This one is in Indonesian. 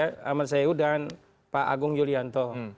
pak amad saiku dan pak agung julianto